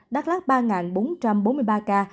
đắk lát ba bốn trăm bốn mươi ba ca